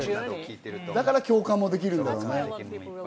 だから共感もできるんだろう